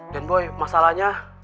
den boy masalahnya